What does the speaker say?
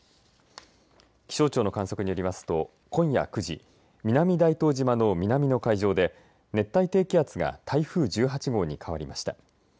気象庁の観測によりますと今夜９時、南大東島の南の海上で熱帯低気圧が台風１８号に変わりました。